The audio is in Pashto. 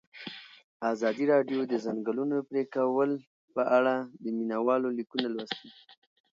ازادي راډیو د د ځنګلونو پرېکول په اړه د مینه والو لیکونه لوستي.